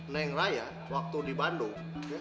neng raya waktu di bandung